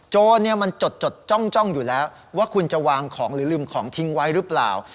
โจรมันจดจ้องอยู่แล้วว่าคุณจะวางของหรือลืมของทิ้งไว้หรือเปล่า